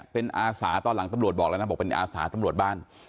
เป็นอาสาตอนหลังตำรวจบอกแล้วนะบอกเป็นอาสาตำรวจบ้าน